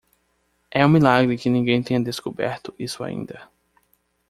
É um milagre que ninguém tenha descoberto isso ainda.